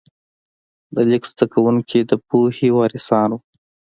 د لیک زده کوونکي د پوهې وارثان وو.